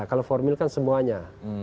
kalau formil kan semuanya